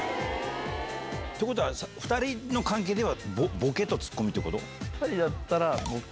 ⁉２人の関係ではボケとツッコミってこと？